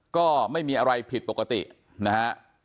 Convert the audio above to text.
ก็ไม่มีอะไรผิดปกตินะฮะ